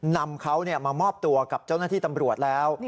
นำเขามามอบตัวกับเจ้าหน้าที่ตำรวจแล้ว